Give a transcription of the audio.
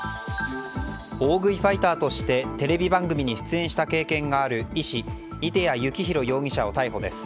大食いファイターとしてテレビ番組に出演していた経験がある医師射手矢侑大容疑者を逮捕です。